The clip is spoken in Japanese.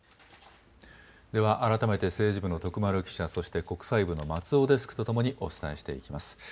改めて政治部の徳丸記者、国際部の松尾デスクとともにお伝えしていきます。